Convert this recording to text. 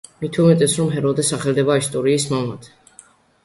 მით უმეტეს რომ ჰეროდოტე სახელდება ისტორიის მამად.